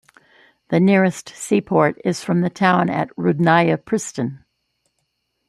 The nearest sea port is from the town at Rudnaya Pristan.